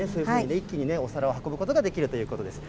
一気にお皿を運ぶことができるということです。